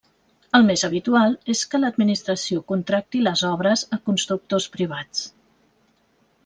El més habitual és que l'administració contracti les obres a constructors privats.